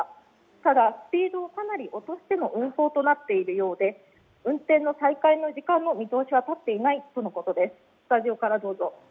ただ、スピードをかなり遅くしての運行となっているようで運転の再開の時間の見通しは立っていないということです。